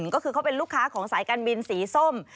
ก็คือเขาเป็นลูกค้าของสายการบินสีส้ม